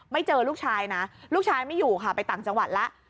เจอลูกชายนะลูกชายไม่อยู่ค่ะไปต่างจังหวัดแล้ว